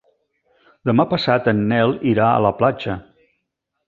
Demà passat en Nel irà a la platja.